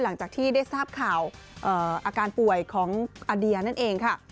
หลังจากที่ได้ทราบข่าวอาการป่วยของอาเดียนั่นเองค่ะ